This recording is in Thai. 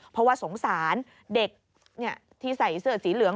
เพราะว่าสงสารเด็กที่ใส่เสื้อสีเหลือง